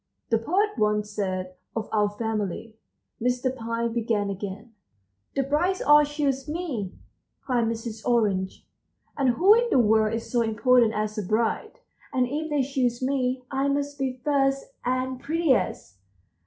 "This poet once said of our family," Mr. Pine began again. "The brides all choose me," cried Mrs. Orange, "and who in the world is so important as a bride? And if they choose me, I must be first and prettiest."